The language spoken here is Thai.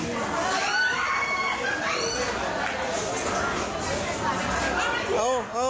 เอา